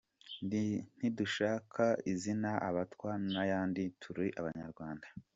Ntidushaka izina abatwa n’ayandi, turi Abanyarwanda.